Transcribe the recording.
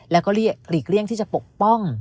แล้วก็หลีกเลี่ยงที่จะปกป้อง